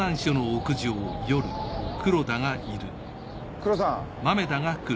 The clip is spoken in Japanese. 黒さん！